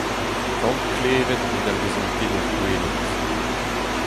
Kant klevet ne dalvezont ket ur gwelet.